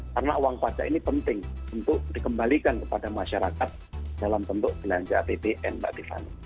karena uang pacar ini penting untuk dikembalikan kepada masyarakat dalam tentu jalan jatp dan bakti vani